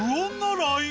ＬＩＮＥ。